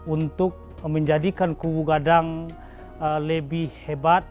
untuk menjadikan kubu gadang lebih hebat